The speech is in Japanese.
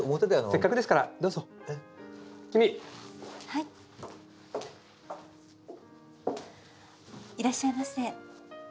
いらっしゃいませ。